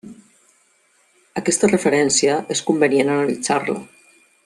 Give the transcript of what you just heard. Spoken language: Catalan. Aquesta referència és convenient analitzar-la.